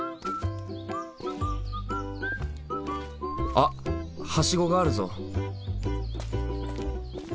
あはしごがあるぞ。